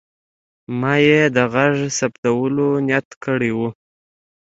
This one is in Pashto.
ما یې د غږ ثبتولو نیت کړی و.